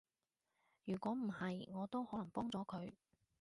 如果唔係，我都可能幫咗佢